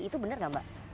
itu benar gak mbak